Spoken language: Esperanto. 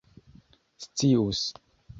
scius